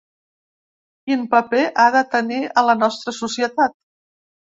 Quin paper ha de tenir a la nostra societat?